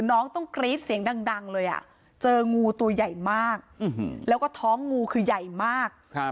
น้องต้องกรี๊ดเสียงดังเลยเจองูตัวใหญ่มากแล้วก็ท้องงูคือใหญ่มาก